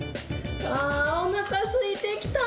あー、おなかすいてきた。